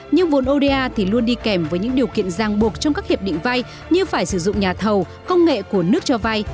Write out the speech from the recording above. nhưng vốn oda thì luôn đi kèm với những điều kiện giang buộc trong các hiệp định vay như phải sử dụng nhà thầu công nghệ của nước cho vay